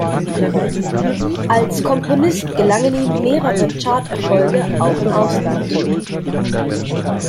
Als Komponist gelangen ihm mehrere Charterfolge auch im Ausland.